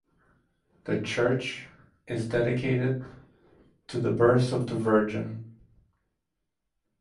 The church is dedicated to the Birth of the Virgin.